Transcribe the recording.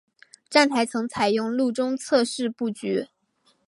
站台层采用路中侧式布局。